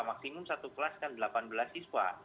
maksimum satu kelas kan delapan belas siswa